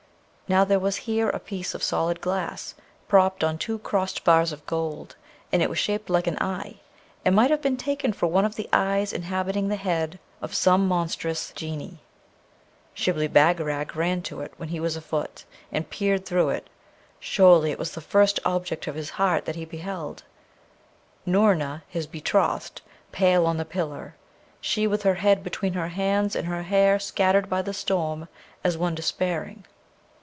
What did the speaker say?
Now, there was here a piece of solid glass, propped on two crossed bars of gold, and it was shaped like an eye, and might have been taken for one of the eyes inhabiting the head of some monstrous Genie. Shibli Bagarag ran to it when he was afoot, and peered through it. Surely, it was the first object of his heart that he beheld Noorna, his betrothed, pale on the pillar; she with her head between her hands and her hair scattered by the storm, as one despairing.